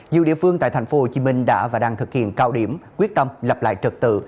nhiều địa phương tại tp hcm đã và đang thực hiện cao điểm quyết tâm lập lại trật tự